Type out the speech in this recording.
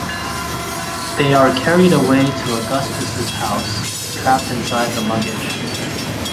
They are carried away to Augustus' house, trapped inside the luggage.